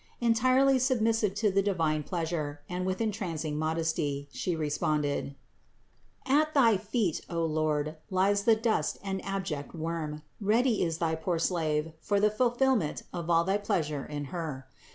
Entirely submissive to the divine pleas ure and with entrancing modesty, She responded: "At thy feet, O Lord, lies the dust and abject worm, ready is thy poor slave for the fulfillment of all thy pleasure in her.